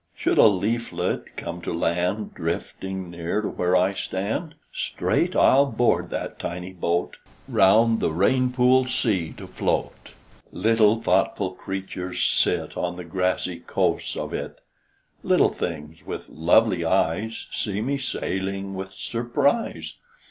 Should a leaflet come to land Drifting near to where I stand, Straight I'll board that tiny boat Round the rain pool sea to float. Little thoughtful creatures sit On the grassy coasts of it; Little things with lovely eyes See me sailing with surprise.